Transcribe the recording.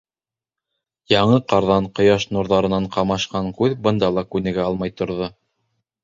Яңы ҡарҙан, ҡояш нурҙарынан ҡамашҡан күҙ бында ла күнегә алмай торҙо.